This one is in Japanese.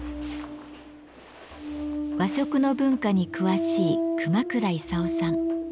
和食の文化に詳しい熊倉功夫さん。